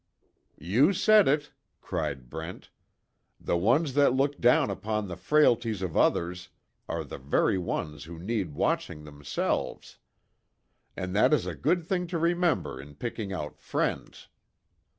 "You said it!" cried Brent, "The ones that look down upon the frailties of others, are the very ones who need watching themselves. And that is a good thing to remember in picking out friends.